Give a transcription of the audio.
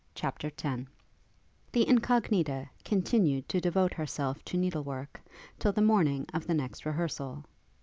CHAPTER X The Incognita continued to devote herself to needle work till the morning of the next rehearsal.